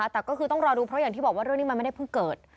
แต่ก็คือต้องรอดูเพราะอย่างที่บอกว่าเรื่องนี้มันไม่ได้เพิ่งเกิด